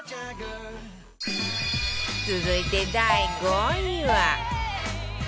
続いて第５位は